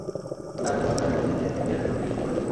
তবে আগামী বছরের আগে মন্ত্রীকে ঘুষ দিয়ে জমি রেজিস্ট্রি করে দেব।